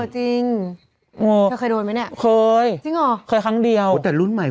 จริงเคยโดนไหมเนี่ยเคยจริงเหรอเคยครั้งเดียวแต่รุ่นใหม่